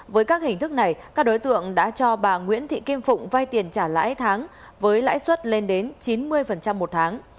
với các hình thức này các đối tượng đã cho bà nguyễn thị kim phụng vay tiền trả lãi tháng với lãi suất lên đến chín mươi một tháng